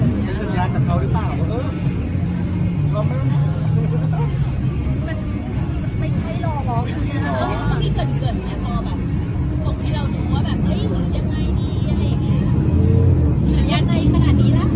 เหมือนเขาเตรียมกันอะไรกับทีมงานเอง